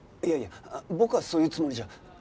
いやいや僕はそういうつもりじゃ。